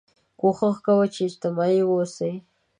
کوښښ کوه چې اجتماعي واوسې